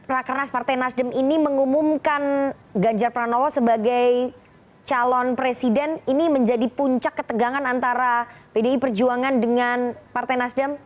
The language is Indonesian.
rakernas partai nasdem ini mengumumkan ganjar pranowo sebagai calon presiden ini menjadi puncak ketegangan antara pdi perjuangan dengan partai nasdem